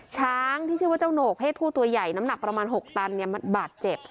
ช้างที่ชื่อว่าเจ้าโหนกเพศผู้ตัวใหญ่น้ำหนักประมาณ๖ตันมันบาดเจ็บ